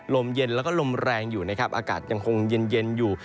ลมเย็นแล้วก็ลมแรงอยู่นะครับอากาศยังคงเย็นอยู่